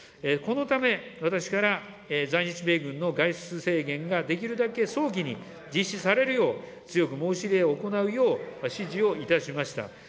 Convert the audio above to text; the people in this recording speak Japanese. このため、私から在日米軍の外出制限ができるだけ早期に実施されるよう、強く申し入れを行うよう指示をいたしました。